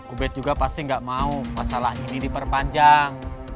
ubed juga pasti nggak mau masalah ini diperpanjang